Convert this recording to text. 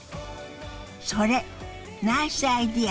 それナイスアイデア！